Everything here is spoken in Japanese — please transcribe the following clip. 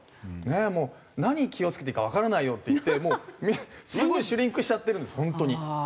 ねえもう「何に気を付けていいかわからないよ」って言ってもうすごいシュリンクしちゃってるんです本当に。